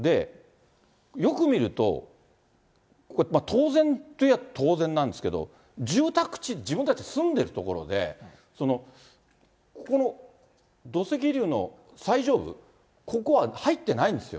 よく見ると、当然っていえば当然なんですけど、住宅地、自分たち住んでる所で、ここの土石流の最上部、ここは入ってないんですよ。